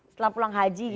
setelah pulang haji gitu